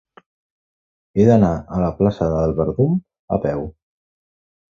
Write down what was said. He d'anar a la plaça del Verdum a peu.